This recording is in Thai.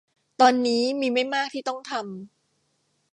ตอนนี้มีไม่มากที่ต้องทำ